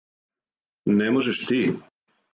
Не можеш ти?